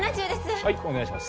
はいお願いします